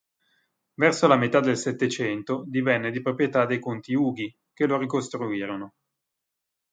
Verso la metà del Settecento divenne di proprietà dei conti Ughi, che lo ricostruirono.